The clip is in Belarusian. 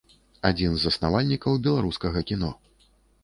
Адзін з заснавальнікаў беларускага кіно.